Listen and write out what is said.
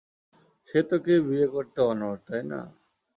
সে তোকে বিয়ে করতে অনড়, তাই না?